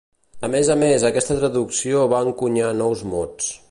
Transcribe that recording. A més a més, aquesta traducció va encunyar nous mots.